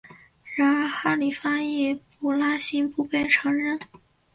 然而哈里发易卜拉欣不被承认。